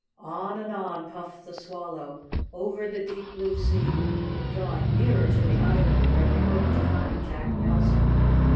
On and on puffed the Swallow, over the deep blue sea, drawing nearer to the island where they hoped to find Jack Nelson.